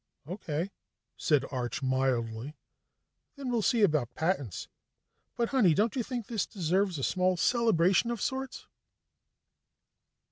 "Okay," said Arch mildly. "Then we see about patents. But honey, don't you think this deserves a small celebration of sorts?"